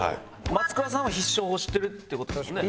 マツクラさんは必勝法を知ってるって事ですよね？